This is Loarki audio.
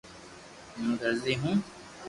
ھون درزي ھون